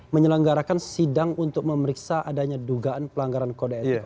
menyelenggarakan sidang untuk memeriksa adanya dugaan pelanggaran kode etik